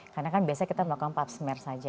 karena kan biasanya kita melakukan pap smear saja